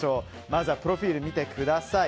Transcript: まずはプロフィールを見てください。